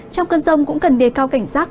trong cơn rông cũng cần đề cao cảnh giác